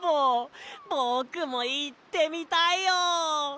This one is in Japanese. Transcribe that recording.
ぼくもいってみたいよ！